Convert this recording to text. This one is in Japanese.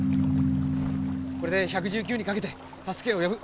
これで１１９にかけて助けをよぶ。